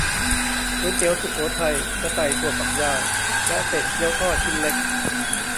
ก๋วยเตี๋ยวสุโขทัย จะใส่ถั่วฝักยาว และเศษเกี๊ยวทอดชิ้นเล็ก